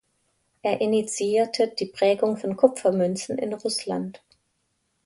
Er initiierte die Prägung von Kupfermünzen in Russland.